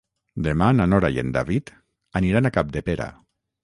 Demà na Nora i en David aniran a Capdepera.